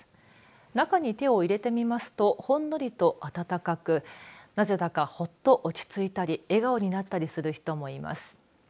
中に手を入れてみますとほんのりとあたたかくなぜだか、ほっと落ち着いたり笑顔になったりする人もいます。